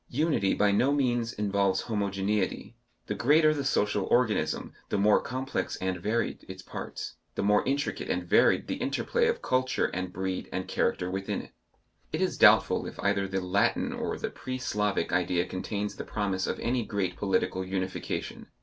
Unity by no means involves homogeneity. The greater the social organism the more complex and varied its parts, the more intricate and varied the interplay of culture and breed and character within it. It is doubtful if either the Latin or the Pan Slavic idea contains the promise of any great political unification.